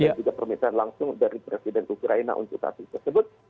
dan juga permintaan langsung dari presiden ukraina untuk kasus tersebut